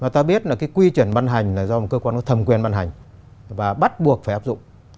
thứ nhất là cái quy chuẩn băn hành là do một cơ quan có thầm quyền băn hành và bắt buộc phải áp dụng